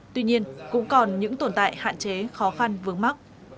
tuy nhiên cũng còn những tồn tại hạn chế khó khăn vướng mắt